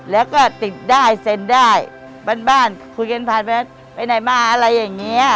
แล้วก็ติดได้เซ็นได้บ้านคุยกันผ่านไปไหนมาอะไรอย่างนี้